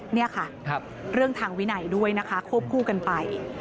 นี่ค่ะเรื่องทางวินัยด้วยนะคะควบคู่กันไป